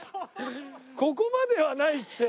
「ここまではない」って。